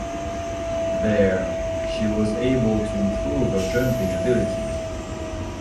There, she was able to improve her jumping ability.